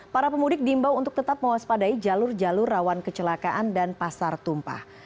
para pemudik diimbau untuk tetap mewaspadai jalur jalur rawan kecelakaan dan pasar tumpah